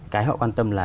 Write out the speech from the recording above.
cái họ quan tâm là